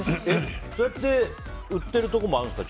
それって、売っているところもあるんですか？